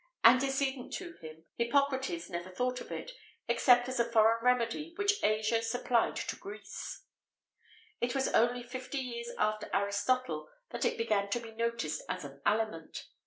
[XVIII 25] Antecedent to him, Hippocrates never thought of it, except as a foreign remedy which Asia supplied to Greece.[XVIII 26] It was only fifty years after Aristotle that it began to be noticed as an aliment.